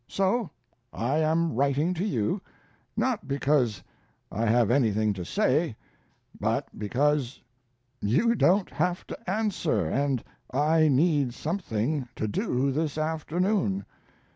So I am writing to you, not because I have anything to say, but because you don't have to answer and I need something to do this afternoon.